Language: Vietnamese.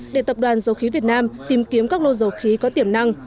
để tập đoàn dầu khí việt nam tìm kiếm các lô dầu khí có tiềm năng